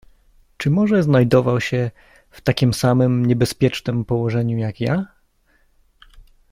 "Czy może znajdował się w takiem samem niebezpiecznem położeniu, jak ja?"